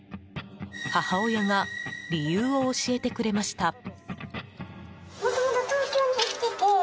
母親が理由を教えてくれました。